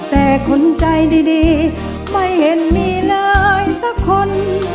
แต่คนใจดีไม่เห็นมีเลยสักคน